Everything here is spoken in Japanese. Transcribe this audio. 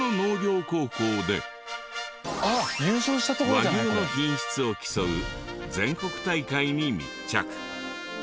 和牛の品質を競う全国大会に密着。